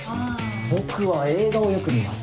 僕は映画をよく見ます。